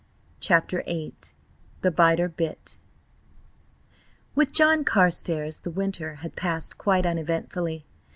CHAPTER VIII THE BITER BIT WITH John Carstares the winter had passed quite uneventfully.